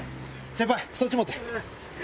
先輩そっち持って。